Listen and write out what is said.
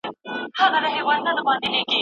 د پوهانو له تجربو بايد ګټه پورته کړو.